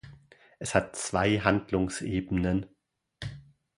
Es hat zwei Handlungsebenen.